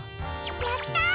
やった！